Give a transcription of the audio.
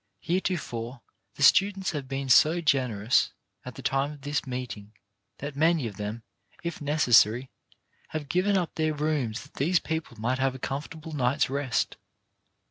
Here tofore the students have been so generous, at the time of this meeting, that many of them, if neces sary, have given up their rooms that these people might have a comfortable night's rest.